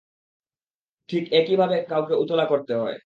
ঠিক এভাবেই কাউকে উতলা করতে হয়।